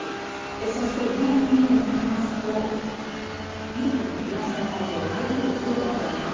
そして南に目を向けますと、フィリピンの東の海上、台風９号があります。